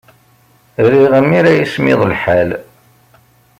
Riɣ mi ara yismiḍ lḥal.